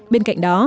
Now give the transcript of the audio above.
bên cạnh đó